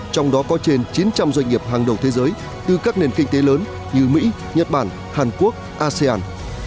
trong đó có trên chín trăm linh doanh nghiệp hàng đầu thế giới từ các nền kinh tế lớn như mỹ nhật bản hàn quốc asean